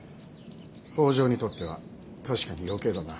北条にとっては確かに余計だな。